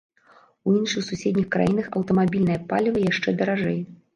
У іншых суседніх краінах аўтамабільнае паліва яшчэ даражэй.